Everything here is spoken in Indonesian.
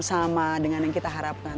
sama dengan yang kita harapkan